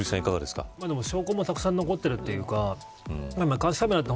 証拠もたくさん残ってるというか監視カメラって